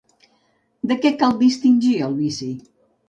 De què cal distingir el vici?